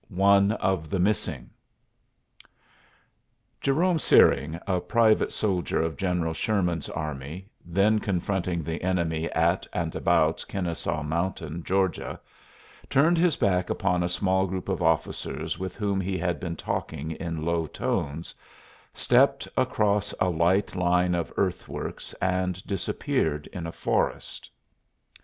ONE OF THE MISSING Jerome Searing, a private soldier of General Sherman's army, then confronting the enemy at and about Kennesaw Mountain, Georgia, turned his back upon a small group of officers with whom he had been talking in low tones, stepped across a light line of earthworks, and disappeared in a forest.